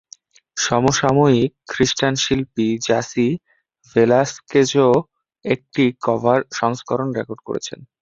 সমসাময়িক খ্রিস্টান শিল্পী জাসি ভেলাস্কেজও একটি কভার সংস্করণ রেকর্ড করেছেন।